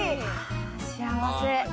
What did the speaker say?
幸せ。